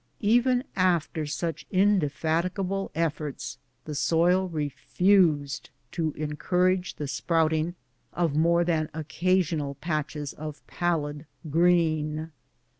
Even after such indefatigable eSorts, the soil refused to encourage the sprouting of more than occasional patches of pallid green.